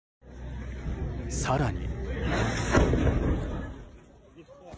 更に。